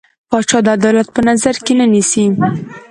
پاچا عدالت په نظر کې نه نيسي.